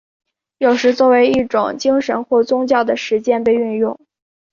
有时作为一种精神或宗教的实践被运用。